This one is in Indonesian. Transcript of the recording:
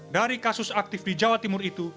dari kasus aktif di jawa timur itu